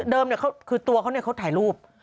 เดิมเนี่ยคือตัวเขาเนี่ยเขาถ่ายรูป